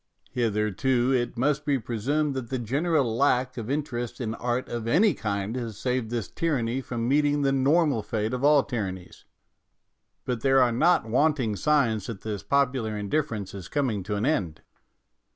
Hitherto, it must be presumed that the general lack of interest in art of any kind has saved this tyranny from meeting the normal fate of all tyrannies, but there are not wanting signs that this popular indifference is coming to an end.